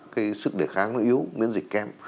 cái sức đề kháng nó yếu miễn dịch kém